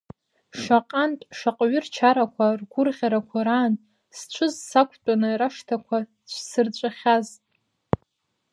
Шаҟантә шаҟаҩы рчарақәа, ргәырӷьарақәа раан, сҽыз сақәтәаны, рашҭақәа цәсырҵәахьаз?